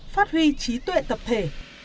phát huy trí tuệ tập thể